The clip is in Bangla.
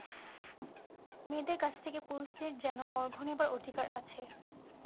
মেয়েদের কাছ থেকে পুরুষদের যেন অর্ঘ্য নেবার অধিকার আছে।